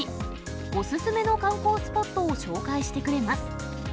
お勧めの観光スポットを紹介してくれます。